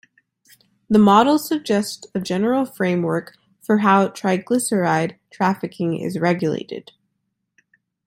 The model suggests a general framework for how triglyceride trafficking is regulated.